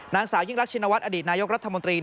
นางสาวยิ่งรักชินวัฒนอดีตนายกรัฐมนตรี